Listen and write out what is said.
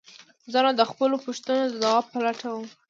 زه نو د خپلو پوښتنو د ځواب په لټه وم.